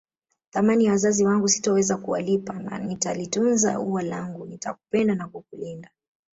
Thamani ya wazazi wangu sitoweza kuwalipa na nitalitunza ua langu nitakupenda na kukulinda